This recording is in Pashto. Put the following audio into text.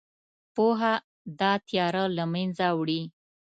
پوهه دا تیاره له منځه وړي.